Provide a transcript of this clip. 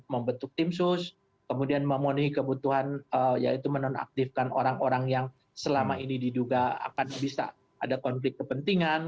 membentuk tim sus kemudian memenuhi kebutuhan yaitu menonaktifkan orang orang yang selama ini diduga akan bisa ada konflik kepentingan